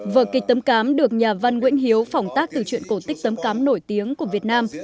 vở kịch tấm cám được nhà văn nguyễn hiếu phỏng tác từ chuyện cổ tích tấm cám nổi tiếng của việt nam